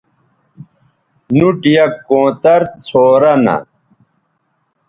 نُوٹ یک کونتر څھورہ نہ